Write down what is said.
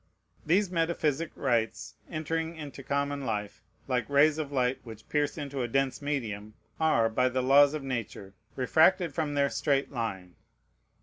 These metaphysic rights entering into common life, like rays of light which pierce into a dense medium, are, by the laws of Nature, refracted from their straight line.